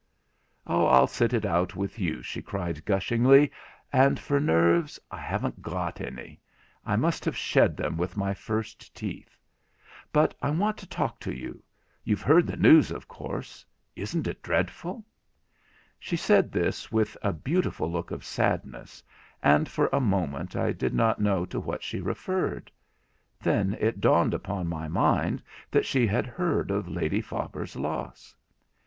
'I'll sit it out with you,' she cried gushingly; 'and as for nerves, I haven't got any; I must have shed them with my first teeth. But I want to talk to you—you've heard the news, of course! Isn't it dreadful?' She said this with a beautiful look of sadness, and for a moment I did not know to what she referred. Then it dawned upon my mind that she had heard of Lady Faber's loss.